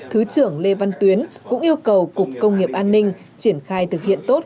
thứ trưởng lê văn tuyến cũng yêu cầu cục công nghiệp an ninh triển khai thực hiện tốt